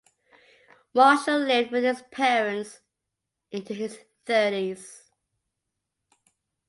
Marshall lived with his parents into his thirties.